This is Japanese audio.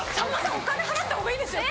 お金払ったほうがいいですよ！